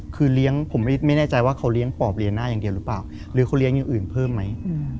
คือเลี้ยงผมไม่แน่ใจว่าเขาเลี้ยงปอบเลี้ยหน้าอย่างเดียวหรือเปล่าหรือเขาเลี้ยงอย่างอื่นเพิ่มไหม